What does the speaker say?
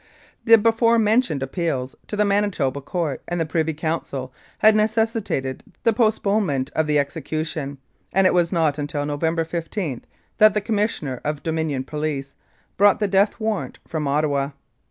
The before mentioned appeals to the Manitoba Court and the Privy Council had necessitated the postpone ment of the execution, and it was not until November 15 that the Commissioner of Dominion Police brought the death warrant from Ottawa.